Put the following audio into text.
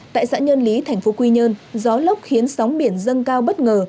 tại xã nhân lý thành phố quy nhơn gió lốc khiến sóng biển dâng cao bất ngờ